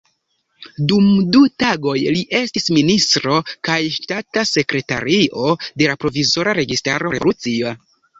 Dum du tagoj li estis ministro kaj ŝtata sekretario de la provizora registaro revolucia.